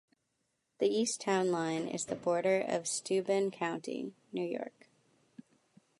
The east town line is the border of Steuben County, New York.